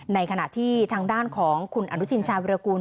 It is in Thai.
ในขณะที่ทางด้านของคุณอนุทินชาวิรากูล